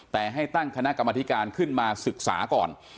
แต่ให้ตั้งคณะกรรมธิการขึ้นมาศึกษาก่อน